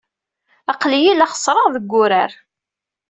Aql-iyi la xeṣṣreɣ deg wurar.